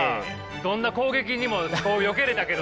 どんな攻撃にもこうよけれたけどさ。